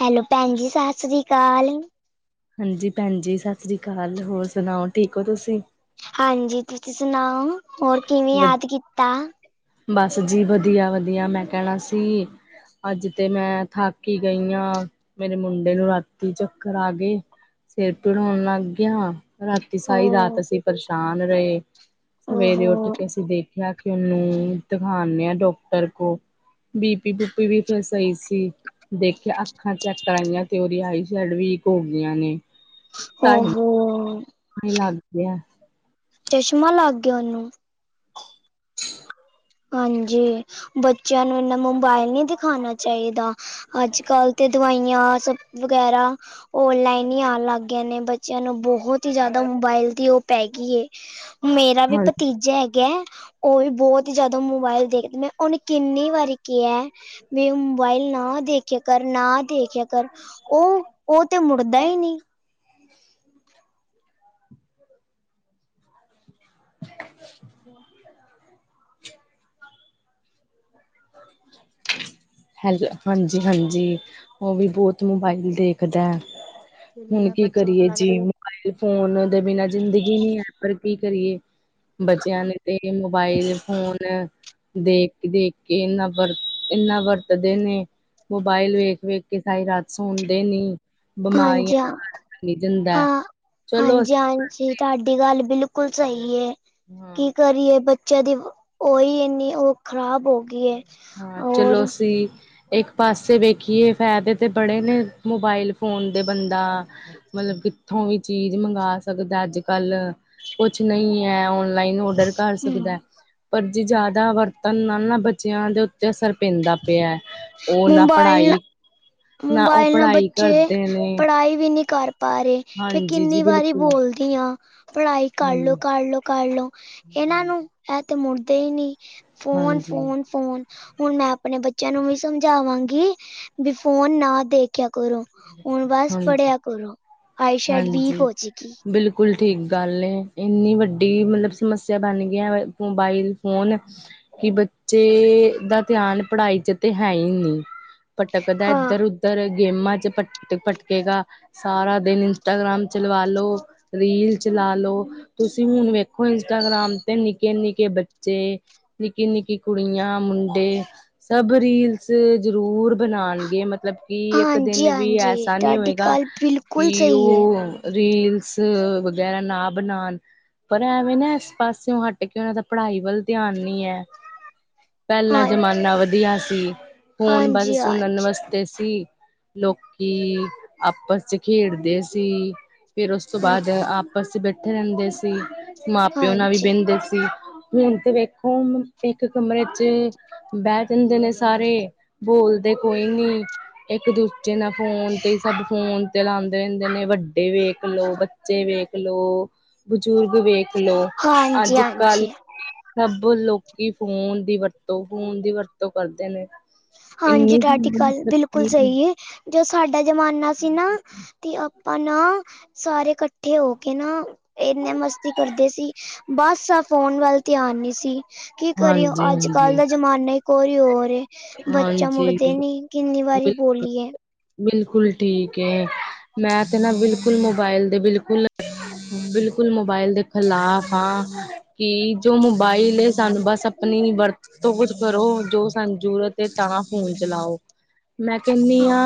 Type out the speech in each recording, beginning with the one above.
Hello ਭੈਣ ਜੀ [inaudible] ਹਾਂਜੀ ਭੈਣ ਜੀ ਸਤਿ ਸ੍ਰੀ ਅਕਾਲ, ਹੋਰ ਸੁਣਾਓ ਠੀਕ ਹੋ ਤੁਸੀਂ? ਹਾਂਜੀ ਤੁਸੀਂ ਸੁਣਾਓ ਹੋਰ ਕਿਵੇਂ ਵਧ ਯਾਦ ਕੀਤਾ? ਬਸ ਜੀ ਵਧੀਆ ਵਧੀਆ ਮੈਂ ਕਹਿਣਾ ਸੀ ਅੱਜ ਤੇ ਮੈਂ ਥੱਕ ਈ ਗਈ ਆ, ਮੇਰੇ ਮੁੰਡੇ ਨੂੰ ਰਾਤੀ ਚੱਕਰ ਆ ਗਏ। ਸਿਰ ਪੀੜ ਹੋਣ ਲੱਗ ਗਿਆ ਰਾਤੀ ਹੋ ਸਾਰੀ ਰਾਤ ਅਸੀਂ ਪਰੇਸ਼ਾਨ ਰਹੇ। ਸਵੇਰੇ ਉੱਠ ਓਹੋ ਕੇ ਅਸੀਂ ਦੇਖਿਆ ਕਿ ਉਹਨੂੰ ਦਿਖਾਨੇ ਆ ਡਾਕਟਰ ਕੋ ਬੀ ਪੀ ਬੂਪੀ ਵੀ ਫਿਰ ਸਈ ਸੀ। ਦੇਖਿਆ ਅੱਖਾਂ ਚੈੱਕ ਕਰਾਈਆਂ ਤੇ ਉਹਦੀ ਆਈ ਸ਼ੈਡ ਵੀਕ ਹੋ ਗਈਆਂ ਨੇ ਤਾਂਈ ਓਹੋ ਲੱਗ ਗਿਆ। ਚਸ਼ਮਾ ਲੱਗ ਗਿਆ ਉਹਨੂੰ? ਹਾਂਜੀ ਬੱਚਿਆਂ ਨੂੰ ਇੰਨਾ ਮੋਬਾਇਲ ਨੀ ਦਿਖਾਉਣਾ ਚਾਹੀਦਾ। ਅੱਜ ਕੱਲ ਤੇ ਦਵਾਈਆਂ ਸਭ ਵਗੈਰਾ ਔਨਲਾਈਨ ਈ ਆਣ ਲੱਗ ਗਏ ਨੇ ਬੱਚਿਆਂ ਨੂੰ ਬਹੁਤ ਈ ਜਿਆਦਾ ਮੋਬਾਇਲ ਦੀ ਪੈ ਗਈ ਐ, ਮੇਰਾ ਵੀ ਭਤੀਜਾ ਹੈਗਾ ਉਹ ਵੀ ਬੋਤ ਜਦੋਂ ਮੋਬਾਇਲ ਦੇਖਦੀ ਮੈਂ ਉਹਨੇ ਕਿੰਨੀ ਵਾਰੀ ਕਿਹਾ ਵੀ ਮੋਬਾਇਲ ਨਾ ਦੇਖਿਆ ਕਰ ਨਾ ਦੇਖਿਆ ਕਰ ਉਹ ਉਹ ਤੇ ਮੁੜਦਾ ਈ ਨੀ। [inaudible] ਹੈਲ ਹਾਂਜੀ ਹਾਂਜੀ, ਉਹ ਵੀ ਬਹੁਤ ਮੋਬਾਈਲ ਦੇਖਦਾ ਐ। ਹੁਣ ਕੀ ਕਰੀਏ ਜੀ ਮੋਬਾਇਲ ਫੋਨ ਦੇ ਬਿਨਾਂ ਜ਼ਿੰਦਗੀ ਈ ਨੀ ਐ ਪਰ ਕੀ ਕਰੀਏ। ਬੱਚਿਆਂ ਨੇ ਤੇ ਮੋਬਾਈਲ ਫੋਨ ਦੇਖ ਕੇ ਦੇਖ ਕੇ ਇਨਾ ਵਰ ਇਨਾ ਵਰ ਦੇ ਨੇ, ਮੋਬਾਇਲ ਵੇਖ ਵੇਖ ਕੇ ਸਾਰੀ ਰਾਤ ਸੋਦੇ ਨੀ। ਬਿਮਾਰੀਆਂ ਹਾਂਜੀ-ਹਾਂ, ਦਾ ਘਰ ਬਣੀ ਜਾਂਦਾ ਚਲੋ ਅਸੀਂ ਹਾਂ-ਹਾਂਜੀ-ਹਾਂਜੀ। ਤੁਹਾਡੀ ਗੱਲ ਬਿਲਕੁਲ ਸਈ ਹਾਂ ਕੀ ਕਰੀਏ ਬੱਚੇ ਜਦੀ ਉਹੀ ਇਨੀ ਉਹ ਖਰਾਬ ਹੌ ਗਈ ਹਾਂ ਚਲੋ ਔਰ ਅਸੀ ਇਕ ਪਾਸੇ ਵੇਖੀਏ ਫਾਇਦੇ ਤਾਂ ਬੜੇ ਨੇ ਮੋਬਾਈਲ ਫੋਨ ਦੇ ਬੰਦਾ ਮਤਲਬ ਕਿਥੋ ਵੀ ਚੀਜ ਮੰਗਵਾ ਸਕਦਾ ਅੱਜ ਕੱਲ ਕੁਛ ਨੀ ਐ ਹੁਣ ਨਈ ਔਡਰ ਕਰ ਸਕਦਾ ਐ, ਪਰ ਜੇ ਜਿਆਦਾ ਵਰਤਣ ਨਾ ਨਾ ਬੱਚਿਆਂ ਦੇ ਉਤੇ ਅਸਰ ਪੀਦਾ ਪਿਆ, ਉਹ ਨਾ ਮੋਬਾਇਲ ਪੜ੍ਹਾਈ ਨਾ ਉਹ ਮੋਬਾਇਲ ਨਾਲ ਪੜ੍ਹਾਈ ਬੱਚੇ ਕਰਦੇ ਨੇ ਪੜ੍ਹਾਈ ਵੀ ਨਹੀ ਕਰ ਪਾ ਰਹੇ ਫੇਰ ਹਾਂਜੀ ਜੀ ਕਿਨੀ ਵਾਰੀ ਬਿਲਕੁਲ ਬੋਲਦੇ ਬੋਲਦੀ ਆਂ ਪੜ੍ਹਾਈ ਹਾਂਜੀ ਕਰਲੋ-ਕਰਲੋ-ਕਰਲੋ ਇਹਨਾ ਨੂੰ ਤੇ ਮੁੜਦੇ ਹੀਨੀ ਹਾਂਜੀ ਫੋਨ-ਫੋਨ-ਫੋਨ ਹੁਣ ਮੈ ਆਪਣੇ ਬੱਚਿਆਂ ਨੂੰ ਵੀ ਸਮਝਾਵਾਂਗੀ ਵੀ ਫੋਨ ਨਾ ਦੇਖ ਕਿਆ ਕਰੋ ਹੁਣ ਬਸ ਹਾਂਜੀ ਪੜ੍ਹਿਆ ਕਰੋ ਆਈ ਸਈਡ ਵੀਕ ਹਾਂਜੀ। ਹੋ ਜਾਏਗੀ। ਬਿਲਕੁਲ ਠੀਕ ਗੱਲ ਨੇ ਇਨੀ ਵੱਡੀ ਮਤਲਬ ਸਮੱਸਿਆ ਬਣ ਗਈ ਮੋਬਾਈਲ ਫੋਨ ਕਿ ਬੱਚੇ ਦਾ ਧਿਆਨ ਪੜ੍ਹਾਈ 'ਚ ਤੇ ਹੈ ਈ ਨੀ। ਪਟਕਦਾ ਹਾਂ ਇਧਰ ਉਧਰ ਗੇਮਾਂ 'ਚ ਭਟਕਦਾ ਭਟਕੇਗਾ ਸਾਰਾ ਦਿਨ ਇੰਸਟਾਗ੍ਰਾਮ ਚਲਵਾ ਲੋ, ਰੀਲ ਚਲਾ ਲੋ ਤੁਸੀ ਹੁਣ ਵੇਖੋ, ਇੰਸਟਾਗ੍ਰਾਮ ਤੇ ਨਿਕੇ-ਨਿਕੇ ਬੱਚੇ ਨਿੱਕੀ-ਨਿੱਕੀ ਕੁੜੀਆਂ, ਮੁੰਡੇ, ਸਭ ਰੀਲਸ ਜਰੂਰ ਬਣਾਂਣਗੇ। ਮਤਲਬ ਕਿ ਇੱਕ ਹਾਂਜੀ ਦਿਨ ਵੀ ਹਾਂਜੀ ਐਸਾ ਨੀ ਤੁਹਾਡੀ ਹੋਏਗਾ ਗੱਲ ਬਿਲਕੁਲ ਕੀ ਓ, ਸਹੀ ਹੈ ਰੀਲਸ ਵਗੈਰਾ ਨਾ ਬਨਾਂਨ। ਪਰ ਐਵੇ ਨਾ, ਇਸ ਪਾਸਿਓਂ ਹਟ ਕੇ, ਉਹਨਾ ਦਾ ਪੜ੍ਹਾਈ ਵੱਲ ਧਿਆਨ ਨੀ ਐ। ਪਹਿਲਾਂ ਹਾਂ ਜਮਾਨਾ ਵਧੀਆ ਸੀ। ਹੁਣ ਬਸ ਹਾਂਜੀ ਸੁਣਨ ਹਾਂਜੀ ਵਸ ਤੇ ਸੀ। ਲੋਕੀ ਆਪਸ 'ਚ ਖੇਡਦੇ ਸੀ ਫਿਰ ਉਸ ਤੋ ਹਾਂ ਬਾਅਦ ਆਪਸ 'ਚ ਬੈਠੇ ਰਹਿੰਦੇ ਸੀ। ਮਾਂ-ਪਿਓ ਨਾਲ ਵੀ ਹਾਂਜੀ ਬਹਿੰਦੇ ਸੀ। ਹੁਣ ਤੇ ਵੇਖ, ਇਕ ਕਮਰੇ 'ਚ ਬਹਿ ਜਾਂਦੇ ਨੇ ਸਾਰੇ। ਬੋਲ ਦੇ ਕੋਈ ਨੀ। ਇਕ ਦੂਜੇ ਨਾ ਫ਼ੋਨ ਤੇ ਈ, ਸਭ ਫ਼ੋਨ ਚਲਾਂਦੇ ਰਹਿੰਦੇ ਨੇ। ਵੱ ਵਡੇ ਵੇਖ ਲੋ, ਬੱਚੇ ਵੇਖ ਲੋ, ਬਜ਼ੁਰਗ ਵੇਖ ਲੋ। ਹਾਂਜੀ ਅੱਜ-ਕੱਲ੍ਹ ਹਾਂਜੀ ਸਭ ਲੋਕੀ ਫ਼ੋਨ ਦੀ ਵਰਤੋ, ਫ਼ੋਨ ਦੀ ਵਰਤੋ ਕਰਦੇ ਨੇ। ਹਾਂਜੀ, ਇੰਨੀ ਤੁਹਾਡੀ ਗੱਲ ਬਿਲਕੁਲ ਸਹੀ ਏ। ਜੋ ਸਾਡਾ ਜਮਾਨਾ ਸੀ ਨਾ ਤੇ ਆਪਾ ਨਾ, ਸਾਰੇ ਕੱਠੇ ਹੋ ਕੇ ਨਾ। ਏਨੇ ਮਸਤੀ ਕਰਦੇ ਸੀ ਬਸ, ਆ ਫ਼ੋਨ ਵੱਲ ਧਿਆਨ ਨੀ ਸੀ। ਕੀ ਕਰੀਏ, ਹਾਂਜੀ ਹਾਂਜੀ ਅੱਜ-ਕੱਲ੍ਹ ਦਾ ਜਮਾਨਾ ਈ ਕੋਈ ਹੋਰ ਏ। ਬੱਚਾ ਹਾਂਜੀ ਮੁੜਦੇ ਨੀ। ਕਿਨੀ ਵਾਰੀ ਬਿਲਕੁਲ ਬੋਲੀਏ। ਬਿਲਕੁਲ ਠੀਕ ਏ। ਮੈਂ ਤੇ ਨਾ ਬਿਲਕੁਲ ਮੋਬਾਇਲ ਦੇ, ਬਿਲਕੁਲ ਬਿਲਕੁਲ ਮੋਬਾਇਲ ਦੇ ਖਲਾਫ਼ ਆ। ਕਿ ਜੋ ਮੋਬਾਇਲ ਏ, ਸਾਨੂੰ ਬਸ ਆਪਣੀ ਵਰਤ ਤੋ ਕੁੱਝ ਕਰੋ। ਜੋ ਸਨੂੰ ਜਰੂਰਤ ਐ, ਤਾਂਹ ਫੂਨ ਚਲਾਓ। ਮੈ ਕਹਿੰਨੀ ਹਾਂ ਆ,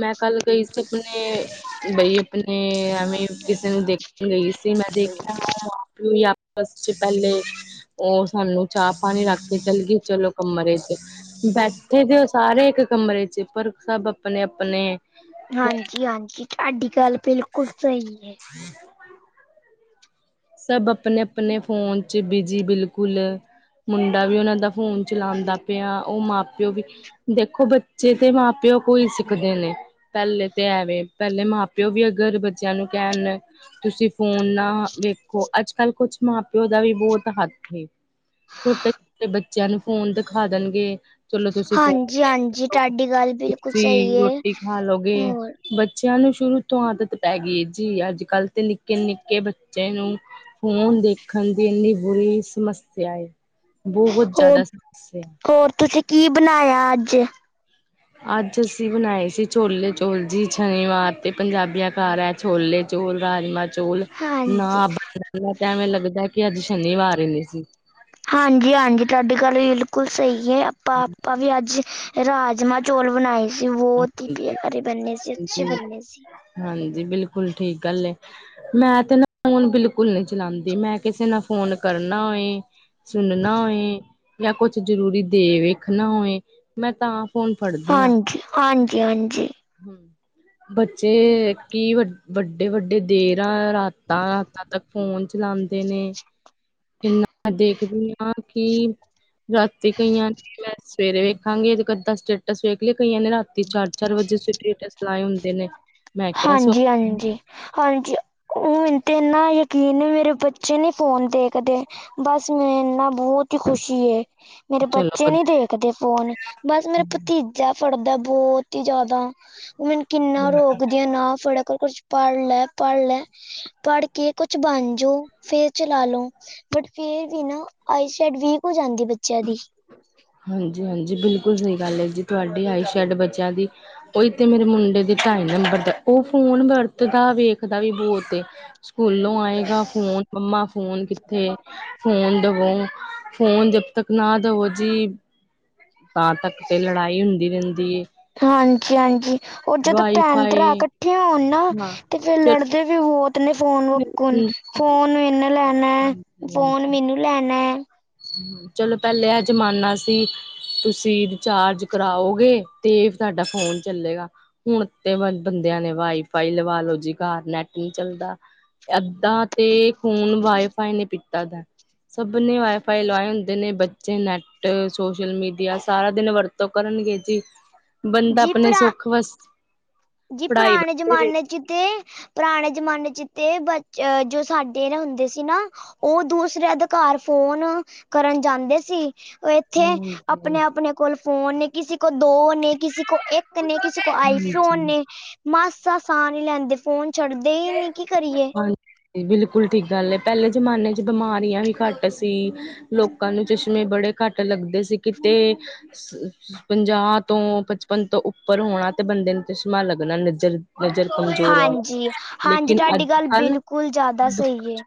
ਮੈ ਕੱਲ੍ਹ ਗਈ ਸੀ ਅਪਣੇ। ਬਈ ਅਪਣੇ ਤੇ ਐਵੇਂ ਕਿਸੇ ਨੂੰ ਦੇਖਨ ਗ‌ਈ ਸੀ। ਮੈ ਦੇਖਿਆ ਉਹ ਆਪ ਵੀ ਨੀ ਫਸਟ 'ਚ ਪਹਿਲੇ, ਉਹ ਸਾਨੂੰ ਚਾਹ-ਪਾਣੀ ਰੱਖ ਕੇ ਚਲਗੇ। ਚਲੋ, ਕਮਰੇ ਬੈਠੇ ਦੇ ਉਹ ਸਾਰੇ ਇਕ ਕਮਰੇ 'ਚ। ਪਰ ਸਭ ਅਪਨੇ-ਅਪਨੇ ਹਾਂਜੀ-ਹਾਂਜੀ, ਤੁਹਾਡੀ ਗੱਲ ਬਿਲਕੁਲ ਸਹੀ ਏ ਕਿ। [inaudible] ਸਭ ਅਪਨੇ-ਅਪਨੇ ਫ਼ੋਨ 'ਚ ਬਿਜੀ ਬਿਲਕੁਲ। ਮੁੰਡਾ ਵੀ ਉਹਨਾ ਦਾ ਫ਼ੋਨ ਚਲਾਂਦਾ ਪਿਆ, ਉਹ ਮਾਂ ਪਿਓ ਵੀ‌। ਦੇਖੋ, ਬੱਚੇ ਤੇ ਮਾਂ ਪ ਪਿਓ ਕੋ ਈ ਸਿੱਖਦੇ ਨੇ। ਪਹਿਲੇ ਤੇ ਐ ਵੇ, ਪਹਿਲੇ ਮਾਂ ਪਿਓ ਵੀ ਅਗਰ ਬੱਚਿਆਂ ਨੂੰ ਕਹਿਣ ਤੁਸੀਂ ਫ਼ੋਨ ਨਾ ਵੇਖੋ। ਅੱਜ-ਕੱਲ੍ਹ, ਕੁਛ ਮਾਂ-ਪਿਓ ਦਾ ਵੀ ਬਹੁਤ ਹੱਥ ਏ। ਛੋਟੇ-ਛੋਟੇ ਬੱਚਿਆਂ ਨੂੰ ਫ਼ੋਨ ਦਿਖਾ ਦੇਣਗੇ ਚਲੋ, ਤੁਸੀ ਫ਼ੋਨ ਹਾਂਜੀ ਹਾਂਜੀ ਦੇਖਲੋ। ਤੁਹਾਡੀ ਗੱਲ ਬਿਲਕੁਲ ਤੁਸੀ ਸਹੀ ਹੈ ਰੋਟੀ ਖਾਲੋਗੇ ਹੋਰ ਬੱਚਿਆਂ ਨੂੰ ਸ਼ੁਰੂ ਤੋਂ ਆਦਤ ਪੈ ਗਈ ਏ ਜੀ। ਅੱਜ-ਕੱਲ੍ਹ ਤੇ ਨਿੱਕੇ-ਨਿੱਕੇ ਬੱਚੇ ਨੂੰ ਫ਼ੋਨ ਦੇਖਣ ਦੀ ਏਨੀ ਬੁਰੀ ਸਮੱਸਿਆ ਏ ਬਹੁਤ ਹੋਰ ਜ਼ਾਦਾ ਸਮੱਸਿਆ। ਹੋਰ ਤੁਸੀਂ ਕੀ ਬਨਾਇਆ ਅੱਜ? ਅੱਜ ਅਸੀਂ ਬਣਾਏ ਸੀ, ਛੋਲੇ-ਚੋਲ ਜੀ। ਸ਼ਨੀਵਾਰ ਤੇ ਪੰਜਾਬੀਆਂ ਘਾਰ ਐ ਛੋਲੇ-ਚੋਲ, ਰਾਜਮਾ ਚੋਲ‌। ਹਾਂਜੀ ਨਾ ਬਣਾਈਏ ਤਾਂ ਐਵੇਂ ਲੱਗਦਾ, ਕਿ ਅੱਜ ਸ਼ਨੀਵਾਰ ਈ ਨੀ ਸੀ। ਹਾਂਜੀ-ਹਾਂਜੀ ਤਾਡੀ ਗੱਲ ਬਿਲਕੁਲ ਸ‌ਈ ਏ। ਆਪਾਂ-ਆਪਾਂ ਵੀ ਅੱਜ ਰਾਜਮਾਂ-ਚੌਲ ਬਣਾਏ ਸੀ। ਬੋਤ ਈ ਹਾਂਜੀ ਪਿਆਰੇ ਬੰਨੇ ਸੀ। ਅੱਛੇ ਜੀ ਬੰਨੇ ਸੀ। ਹਾਂਜੀ, ਬਿਲਕੁਲ ਠੀਕ ਗੱਲ ਐ। ਮੈਂ ਤੇ ਨਾ ਫੋਨ ਬਿਲਕੁਲ ਨੀ ਚਲਾਂਦੀ, ਮੈਂ ਕਿਸੇ ਨੂੰ ਫੋਨ ਕਰਨਾ ਹੋਏ ਸੁਣਨਾ ਹੋਏ, ਜਾਂ ਕੁਛ ਜ਼ਰੂਰੀ ਦੇ ਵੇਖਣਾ ਹੋਏ ਮੈਂ ਤਾਂ ਫੋਨ ਫੜਦੀ ਆਂ। ਹਾਂਜੀ ਹਾਂਜੀ -ਹਾਂਜੀ। ਹੂੰ, ਬੱਚੇ ਕੀ ਵ ਵੱਡ ਵੱਡੇ -ਵੱਡੇ ਦੇਰਾਂ ਰਾਤਾਂ ਤੱਕ ਫੋਨ ਚਲਾਂਦੇ ਨੇ ਇੰਨਾ ਦੇਖਦੀ ਹਾਂ ਕਿ ਰਾਤੀ ਕਈਆਂ ਦੇ ਮੈਸੇਜ - ਸਵੇਰੇ ਵੇਖਾਂਗੇ ਦੇ ਇੱਕ ਅੱਧਾਂ ਸਟੇਟਸ ਵੇਖ ਲਏ ਕਈਆਂ ਨੇ ਰਾਤੀ ਚਾਰ -ਚਾਰ ਵਜੇ ਸਟੇਟਸ ਲਾਏ ਹੁੰਦੇ ਨੇ। ਮੈਂ ਕੇਆ ਹਾਂਜੀ ਸੋਂਦੇ ਨੀ। ਹਾਂਜੀ ਹਾਂਜੀ ਹੁਣ ਤੇ ਏਨਾ ਯਕੀਨ ਏ ਮੇਰੇ ਬੱਚੇ ਨੀ ਫੋਨ ਦੇਖਦੇ। ਬਸ ਮੈਂਨੂੰ ਇੰਨਾ ਬੋਤ ਈ ਖੁਸ਼ੀ ਏ, ਮੇਰੇ ਬੱਚੇ ਚਲੋ ਨੀ ਦੇ- ਕਦੇ ਫੋਨ। ਬਸ ਮੇਰਾ ਭਤੀਜਾ ਫੜਦਾ ਬੋਤ ਈ ਜਾਦਾ, ਓ ਮੈਨੂੰ- ਕਿੰਨਾ ਰੋਕਦੀ ਆਂ ਨਾ ਫੜੇਆ ਕਰ, ਕੁਛ ਪੜ ਲੈ -ਪੜ ਲੈ। ਪੜ੍ਹ ਕੇ ਕੁਛ ਬਣ ਜੋ, ਫੇਰ ਚਲਾ ਲੋ। ਬਟ ਫੇਰ ਵੀ ਨਾ ਆਈ ਸ਼ੈਡ ਵੀਕ ਹੋ ਜਾਂਦੀ ਬੱਚੇਆਂ ਦੀ। ਹਾਂਜੀ ਹਾਂਜੀ ਬਿਲਕੁਲ ਸ‌ਈ ਗੱਲ ਏ ਜੀ ਤੁਆਡੀ। ਆਈ ਸ਼ੈਡ ਬੱਚਿਆਂ ਦੀ ਓਈ ਤੇ ਮੇਰੇ ਮੁੰਡੇ ਦੇ ਢਾਈ ਨੰਬਰ ਦਾ ਓ ਫੋਨ ਵਰਤਦਾ, ਵੇਖਦਾ ਵੀ ਬਹੁ ਤੇ। ਸਕੂਲੋਂ ਆਏਗਾ ਫੋਨ ਮੰਮਾ ਫੋਨ ਕਿੱਥੇ, ਫੋਨ ਦਵੋ। ਫੋਨ ਜਦ ਤੱਕ ਨਾ ਦਵੋ ਜੀ ਤਾਂ ਤੱਕ ਤੇ ਲੜਾਈ ਹੁੰਦੀ ਰੈਂਦੀ ਏ। ਹਾਂਜੀ -ਹਾਂਜੀ ਓ ਜਦੋਂ ਵਾਈ ਭੈਣ ਭਰਾ ਫਾਈ ਕੱਠੇ ਹੋਣ ਨਾ ਹਾਂ ਤੇ ਫੇਰ ਲੜਦੇ ਵੀ ਬੋਤ ਨੇ। ਫੋਨ ਵੱਕੂ ਚਲੋ ਫੋਨ ਇਨਾ ਲੈਣਾ। ਫੋਨ ਮੈਨੂੰ ਲੈਣਾ ਐ। ਚਲੋ ਪੈਲੇ ਐ ਜ਼ਮਾਨਾ ਸੀ ਤੁਸੀਂ ਰਿਚਾਰਜ ਕਰਾਓਗੇ ਤੇ ਤਾਡਾ ਫੋਨ ਚੱਲੇਗਾ। ਹੁਣ ਤੇ ਬੰਦਿਆਂ ਨੇ ਵਾਈਫਾਈ ਲਵਾਲੋ ਜੀ ਘਰ ਨੈਟ ਨੀ ਚੱਲਦਾ। ਅੱਧਾ ਤੇ ਖੂਨ ਵਾਾਈਫਾਈ ਨੇ ਪੀਤਾ ਦਾ। ਸਭ ਨੇ ਵਾ ਫਾਈ ਲਵਾਏ ਹੁੰਦੇ ਨੇ। ਬੱਚੇ ਨੈੱਟ, ਸੋਸ਼ਲ ਮੀਡੀਆ ਸਾਰਾ ਦਿਨ ਵਰਤੋਂ ਕਰਨਗੇ ਜੀ। ਬੰਦਾ ਜੀ ਆਪਣੇ ਭਰਾ ਸੁੱਖ ਵਸ ਜੀ ਪੜ੍ਹਾਈ ਪਰਾਣੇ ਵਾਸਤੇ ਵੀ ਜ਼ਮਾਨੇ 'ਚ ਤੇ ਪਰਾਣੇ ਜਮਾਨੇ 'ਚ ਤੇ ਬਚ ਜੋ ਸਾਡੇ ਜੋ ਨਾ ਹੁੰਦੇ ਸੀ ਨਾ ਓ ਦੂਸਰਿਆਂ ਦੇ ਘਾਰ ਫੋਨ ਕਰਨ ਜਾਂਦੇ ਸੀ। ਓ ਏਥੇ ਆਪਣੇ, ਆਪਣੇ ਕੋਲ ਫੋਨ ਨੇ। ਕਿਸੇ ਕੋ ਦੋ ਨੇ, ਕਿਸੇ ਕੋ ਇੱਕ ਕ ਨੇ। ਕਿਸੀ ਕੋ ਆਈ ਫੋਨ ਹਾਂਜੀ। ਨੇ ਮਾਸਾ ਸਾਹ ਨੀ ਲੈਂਦੇ। ਫੋਨ ਛੱਡਦੇ ਈ ਨੀ ਕੀ ਕਰੀਏ। ਹਾਂਜੀ ਬਿਲਕੁਲ ਠੀਕ ਗੱਲ ਏ ਪੇਲੇ ਜਮਾਨੇ 'ਚ ਬਿਮਾਰੀਆਂ ਵੀ ਘੱਟ ਸੀ। ਲੋਕਾਂ ਨੂੰ ਚਸ਼ਮੇ ਬੜੇ ਘੱਟ ਲੱਗਦੇ ਸੀ ਕਿਤੇ- ਪੰਜਾਹ ਤੋਂ ਪਚਪਨ ਤੋਂ ਉੱਪਰ ਹੋਣਾ ਤੇ ਬੰਦੇ ਨੂੰ ਤੇ ਚਸ਼ਮਾਂ ਲੱਗਣਾ ਨਜ਼ਰ- ਨਜ਼ਰ ਕਮਜ਼ੋਰ ਹੋਣੀ, ਹਾਂਜੀ ਹਾਂਜੀ ਲੇਕਿਨ ਤੁਹਾਡੀ ਅੱਜ ਗੱਲ ਕੱਲ ਬਿਲਕੁਲ ਜ਼ਿਆਦਾ ਸਹੀ ਹੈ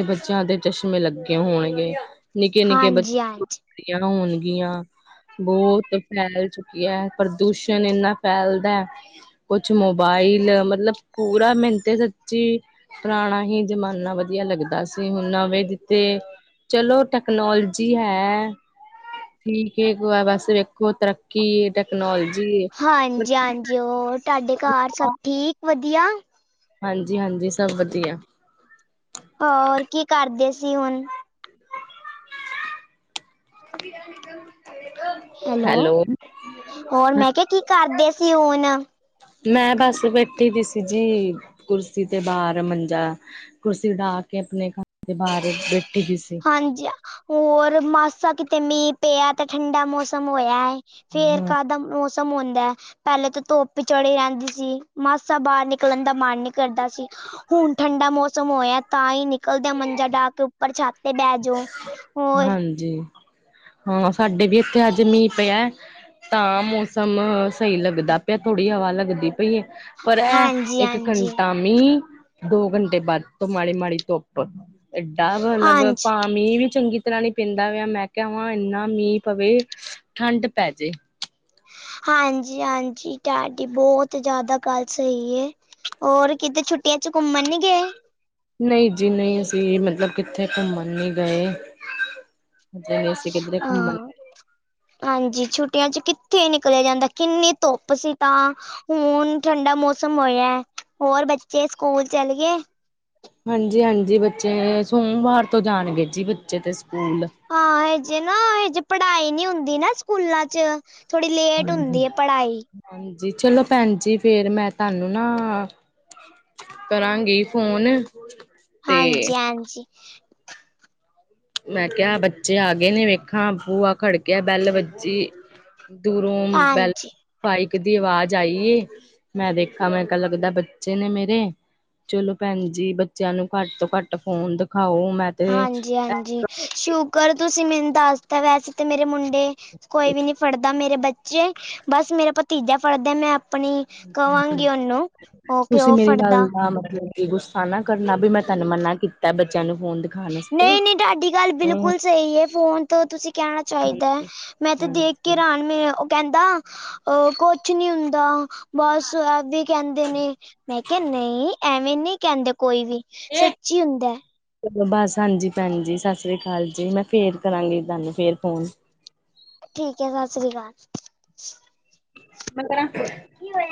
ਦ ਬੱਚੇਆਂ ਦੇ ਚਸ਼ਮੇ ਲੱਗੇ ਹੋਏ ਨੇ ਨਿੱਕੇ- ਨਿੱਕੇ ਬੱਚ ਹਾਂਜੀ ਹਾਂਜੀ ਰੀਆਂ ਹੋਣਗੀਆਂ। ਬੋਤ ਫੈਲ ਚੁੱਕੀ ਆ, ਪ੍ਰਦੂਸ਼ਣ ਏਨਾ ਫੈਲਦਾ ਕੁਛ ਮੋਬਾਈਲ ਮਤਲਬ ਪੂਰਾ ਮਿਨ ਤੇ ਸੱਚੀ ਪੁਰਾਣਾ ਹੀ ਜ਼ਮਾਨਾ ਵਧੀੱਆ ਲੱਗਦਾ ਸੀ ਹੁਣ ਨਵੇਂ ਦਿੱਤੇ ਚਲੋ ਟੈਕਨੋਲਜੀ ਹੈ ਠੀਕ ਏ ਗੋਆ ਵਾਸਤੇ ਵੇਖੋ ਤਰੱਕੀ ਟਕਨੋਲੋਜੀ ਏ ਹਾਂਜੀ ਹਾਂਜੀ ਹੋਰ ਤੁਹਾਡੇ ਘਰ ਸਭ ਠੀਕ ਵਧੀਆ ਹਾਂਜੀ ਹਾਂਜੀ ਸਭ ਵਧੀਆ ਹਾ ਹੋਰ ਕੀ ਕਰਦੇ ਸੀ ਹੁਣ ਅ ਹੈਲੋ ਹੋਰ ਮੈਂ ਕਿਹਾ ਕੀ ਕਰਦੇ ਸੀ ਹੁਣ ਮੈਂ ਬਸ ਬੈਠੀ ਦੀ ਸੀ ਜੀ ਕੁਰਸੀ ਤੇ ਬਾਹਰ ਮੰਜਾ ਕੁਰਸੀ ਡਾ ਕੇ ਆਪਣੇ ਘਰ ਦੇ ਬਾਹਰ ਬੈਠੀ ਵੀ ਸੀ ਹਾਂਜੀ ਹੋਰ ਮਾਸਾ ਕਿਤੇ ਮੀਂਹ ਪਿਆ ਤੇ ਠੰਡਾ ਮੌਸਮ ਹੋਇਆ ਐ ਫੇਰ ਹਾਂ ਕਾਹਦਾ ਮੌਸਮ ਹੁੰਦਾ ਪਹਿਲੇ ਤਾਂ ਧੁਪ ਚੜ ਆਦੀ ਸੀ ਮਾਸਾ ਬਾਹਰ ਨਿਕਲਣ ਦਾ ਮਨ ਨੀ ਕਰਦਾ ਸੀ ਹੁਣ ਠੰਡਾ ਮੌਸਮ ਹੋਇਆ ਤਾਂ ਹੀ ਨਿਕਲਦੇਆਂ ਮੰਜਾ ਡਾਹ ਕੇ ਉੱਪਰ ਛੱਤ ਤੇ ਬਹਿ ਜਾਓ ਹੋਰ ਹਾਂਜੀ ਹਾਂ ਸਾਡੇ ਵੀ ਇੱਥੇ ਅੱਜ ਮੀਂਹ ਪਿਆ ਤਾਂ ਮੌਸਮ ਸਹੀ ਲੱਗਦਾ ਪਿਆ ਥੋੜ੍ਹੀ ਹਵਾ ਲੱਗਦੀ ਪਈਏ ਪਰ ਇਹ ਹਾਂਜੀ ਇੱਕ ਹਾਂਜੀ ਘੰਟਾ ਮੀਂਹ ਦੋ ਘੰਟੇ ਬਾਦ ਤੋਂ ਮਾੜੀ ਮਾੜੀ ਧੁੱਪ ਏਡਾ ਮਤਲਬ ਹਾਂਜੀ ਪਾ ਮੀਂਹ ਵੀ ਚੰਗੀ ਤਰ੍ਹਾਂ ਨੀ ਪੀਂਦਾ ਵਿਆ ਮੈਂ ਕਵਾਂ ਇੰਨਾ ਮੀਂਹ ਪਵੇ ਠੰਡ ਪੈ ਜੇ ਹਾਂਜੀ ਹਾਂਜੀ ਤਾਡੀ ਬਹੁਤ ਜ਼ਿਆਦਾ ਗੱਲ ਸਹੀ ਏ ਹੋਰ ਕਿਤੇ ਛੁੱਟੀਆਂ ਚ ਘੁੰਮਣ ਨੀ ਗਏ ਨਹੀਂ ਜੀ ਨਹੀਂ ਅਸੀਂ ਮਤਲਬ ਕਿੱਥੇ ਘੁੰਮਣ ਨੀ ਗਏ ਨਹੀਂ ਗਏ ਅਸੀਂ ਕਿਧਰੇ ਘੁੰਮਨ ਹਾਂ ਹਾਂਜੀ ਛੁੱਟੀਆਂ ਚ ਕਿੱਥੇ ਨਿਕਲਿਆ ਜਾਂਦਾ ਕਿੰਨੀ ਧੁੱਪ ਸੀ ਤਾਂ ਹੁਣ ਠੰਡਾ ਮੌਸਮ ਹੋਇਆ ਹੋਰ ਬੱਚੇ ਸਕੂਲ ਚਲ ਗਏ ਹਾਂਜੀ ਹਾਂਜੀ ਬੱਚੇ ਸੋਮਵਾਰ ਤੋਂ ਜਾਣਗੇ ਜੀ ਬੱਚੇ ਤੇ ਸਕੂਲ ਹਾਂ ਇਜੇ ਨਾ ਹਜੇ ਪੜ੍ਹਾਈ ਨਹੀਂ ਹੁੰਦੀ ਨਾ ਸਕੂਲਾਂ ਚ ਥੋੜ੍ਹੀ ਲੇਟ ਹੁੰਦੀ ਏ ਪੜ੍ਹਾਈ ਹਾਂਜੀ ਚਲੋ ਭੈਣ ਜੀ ਫੇਰ ਮੈਂ ਤੁਹਾਨੂੰ ਨਾ ਕਰਾਂਗੀ ਫੋਨ ਤੇ ਹਾਂਜੀ ਹਾਂਜੀ ਮੈਂ ਕਿਹਾ ਬੱਚੇ ਆ ਗਏ ਨੇ ਵੇਖਾ ਬੂਆ ਖੜਕਿਆ ਬੈਲ ਵੱਜੀ ਦੂਰੋ ਬੈਲ ਹਾਂਜੀ ਬਾਈਕ ਦੀ ਆਵਾਜ਼ ਆਈ ਮੈਂ ਦੇਖਾ ਮੈਂ ਕਿਹਾ ਲੱਗਦਾ ਬੱਚੇ ਨੇ ਮੇਰੇ ਚਲੋ ਭੈਣ ਜੀ ਬੱਚਿਆਂ ਨੂੰ ਘੱਟ ਤੋਂ ਘੱਟ ਫੋਨ ਦਿਖਾਓ ਮੈਂ ਤੇ ਹਾਂਜੀ ਹਾਂਜੀ ਸ਼ੁਕਰ ਤੁਸੀਂ ਮੈਨੂੰ ਦੱਸਤਾ ਵੈਸੇ ਤੇ ਮੇਰੇ ਮੁੰਡੇ ਕੋਈ ਵੀ ਨੀ ਫੜਦਾ ਮੇਰੇ ਬੱਚੇ ਬਸ ਮੇਰਾ ਭਤੀਜਾ ਫੜਦਾ ਮੈਂ ਆਪਣੀ ਕਵਾਂਗੀ ਉਹਨੂੰ ਉਹ ਕਿਉ ਫੜਦਾ ਹਮਾਰੇ ਤੇ ਗੁੱਸਾ ਨਾ ਕਰਨਾ ਵੀ ਮੈਂ ਤਹਨੂੰ ਮਨਾ ਕੀਤਾ ਬੱਚਿਆਂ ਨੂੰ ਫੋਨ ਦਿਖਾਣ ਆਸਤੇ। ਨਹੀਂ ਨਹੀਂ ਤੁਹਾਡੀ ਗੱਲ ਹੂੰ, ਬਿਲਕੁਲ ਸਹੀ ਏ ਫੋਨ ਤੋਂ ਤੁਸੀਂ ਕਹਿਣਾ ਚਾਹੀਦਾ ਹੈ ਹਾਂਜੀ, ਮੈਂ ਤੇ ਦੇਖ ਕੇ ਹਾਂਜੀ। ਹੈਰਾਨ ਉਹ ਕਹਿੰਦਾ ਅ ਕੁਛ ਨੀ ਹੁੰਦਾ ਬਸ ਐਵੇਂ ਕਹਿੰਦੇ ਨੇ ਮੈਂ ਕਿਹਾ ਨਹੀਂ ਐਵੇਂ ਨਹੀਂ ਕਹਿੰਦੇ ਕੋਈ ਵੀ ਸੱਚੀ ਹੁੰਦਾ ਚਲੋ ਬਸ ਹਾਂਜੀ ਭੈਣ ਜੀ ਸਤਿ ਸ੍ਰੀ ਅਕਾਲ ਜੀ ਮੈਂ ਫੇਰ ਕਰਾਂਗੀ ਤੁਹਾਨੂੰ ਫੇਰ ਫੋਨ ਠੀਕ ਹੈ ਸਤਿ ਸ਼੍ਰੀ ਅਕਾਲ ਪੰਦਰਾਂ ਕਿ ਓਐ